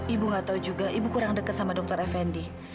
ibu nggak tahu juga ibu kurang dekat sama dokter effendi